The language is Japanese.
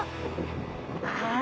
はい。